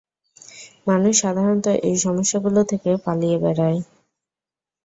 মানুষ সাধারণত এই সমস্যাগুলো থেকে পালিয়ে বেড়ায়।